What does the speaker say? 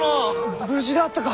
無事であったか！